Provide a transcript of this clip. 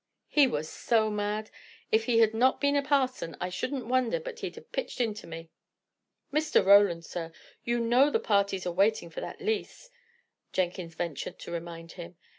He was so mad! If he had not been a parson, I shouldn't wonder but he'd have pitched into me." "Mr. Roland, sir, you know the parties are waiting for that lease," Jenkins ventured to remind him.